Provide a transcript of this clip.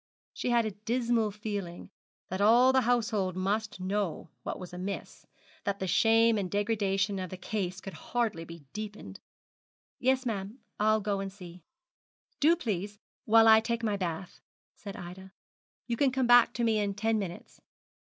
She had a dismal feeling that all the household must know what was amiss, that the shame and degradation of the case could hardly be deepened. 'Yes, ma'am; I'll go and see.' 'Do, please, while I take my bath,' said Ida. 'You can come back to me in ten minutes.'